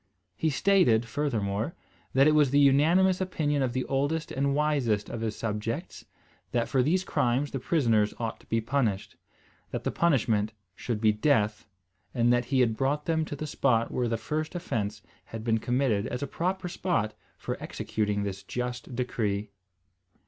He stated, furthermore, that it was the unanimous opinion of the oldest and wisest of his subjects, that for these crimes the prisoners ought to be punished, that the punishment should be death; and that he had brought them to the spot where the first offence had been committed as a proper spot for executing this just decree.